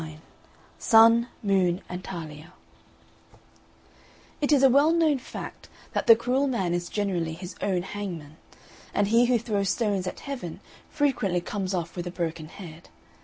XXIX SUN, MOON, AND TALIA It is a well known fact that the cruel man is generally his own hangman; and he who throws stones at Heaven frequently comes off with a broken head.